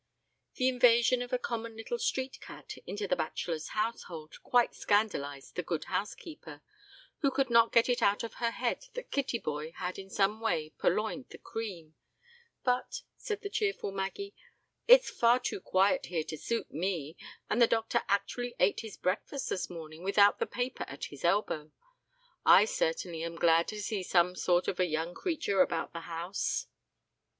The invasion of a common little street cat into the bachelor's household quite scandalized the good housekeeper, who could not get it out of her head that Kittyboy had in some way purloined the cream, but, said the cheerful Maggie, "It's far too quiet here to suit me, and the doctor actually ate his breakfast this morning without the paper at his elbow. I certainly am glad to see some sort of a young creature about the house."